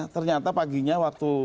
ternyata paginya waktu